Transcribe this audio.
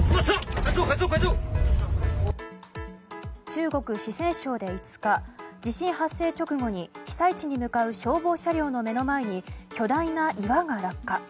中国・四川省で５日地震発生直後に、被災地に向かう消防車両の目の前に巨大な岩が落下。